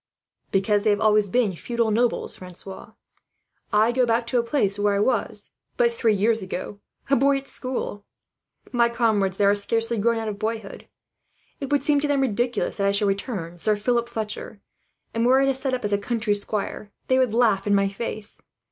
"Because they have always been feudal nobles, Francois. I go back to a place where I was, but three years ago, a boy at school. My comrades there are scarcely grown out of boyhood. It will seem to them ridiculous that I should return Sir Philip Fletcher; and were I to set up as a country squire, they would laugh in my face.